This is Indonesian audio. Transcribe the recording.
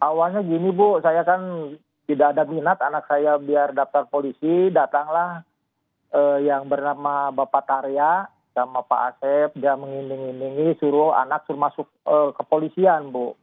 awalnya gini bu saya kan tidak ada minat anak saya biar daftar polisi datanglah yang bernama bapak tarya sama pak asep dia mengiming imingi suruh anak suruh masuk kepolisian bu